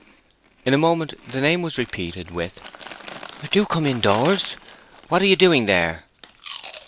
In a moment the name was repeated, with "Do come indoors! What are you doing there?"